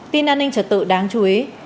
tin an ninh trật tự đáng chú ý